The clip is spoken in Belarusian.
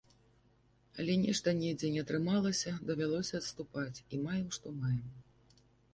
Але нешта недзе не атрымалася, давялося адступаць, і маем што маем.